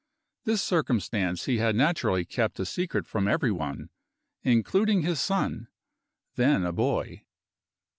This circumstance he had naturally kept a secret from every one, including his son, then a boy.